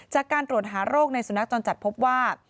จากการตรวจหาโรคในสุนัขจรจัดพบว่า